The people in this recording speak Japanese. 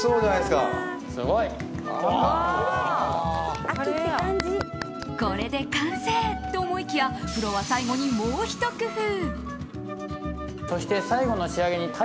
すごい！これで完成！と思いきやプロは最後にもうひと工夫。